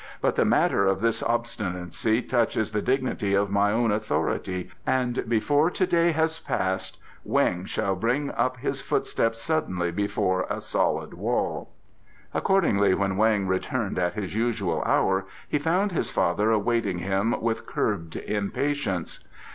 "But the matter of this obstinacy touches the dignity of my own authority, and before to day has passed Weng shall bring up his footsteps suddenly before a solid wall." Accordingly, when Weng returned at his usual hour he found his father awaiting him with curbed impatience.